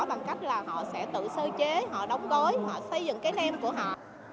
bằng cách là họ sẽ tự sơ chế họ đóng gói họ xây dựng cái nem của họ